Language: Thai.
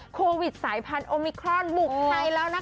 โควิดสายพันธุมิครอนบุกไทยแล้วนะคะ